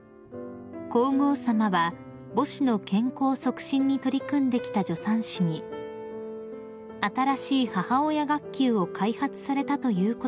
［皇后さまは母子の健康促進に取り組んできた助産師に「新しい母親学級を開発されたということですが？」とご質問］